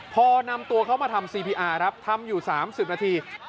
พอนำตัวเขามาทำซีพีอาร์ครับทำอยู่๓๐นาที